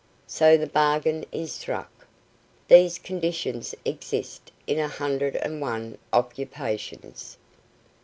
So the bargain is struck. These conditions exist in a hundred and one occupations.